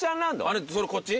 あれそれこっち？